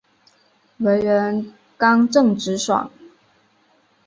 为人刚正直爽。